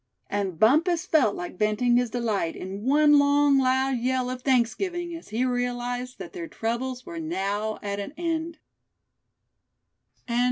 And Bumpus felt like venting his delight in one long loud yell of thanksgiving as he realized that their troubles were now at an end.